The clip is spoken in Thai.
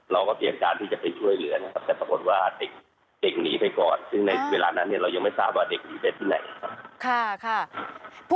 เราก็เตรียมการที่จะไปช่วยเหลือนะครับแต่ปรากฏว่าเด็กหนีไปก่อนซึ่งในเวลานั้นเนี่ยเรายังไม่ทราบว่าเด็กหนีไปที่ไหนครับ